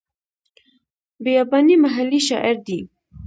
بیاباني محلي شاعر دی.